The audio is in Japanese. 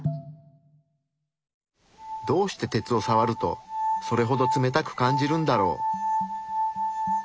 どうして鉄をさわるとそれほど冷たく感じるんだろう？